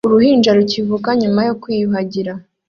Uruhinja rukivuka nyuma yo kwiyuhagira